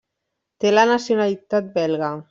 Té la nacionalitat belga.